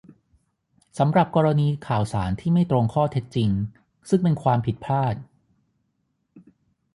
สำหรับกรณีข่าวสารที่ไม่ตรงข้อเท็จจริง ซึ่งเป็นความผิดพลาด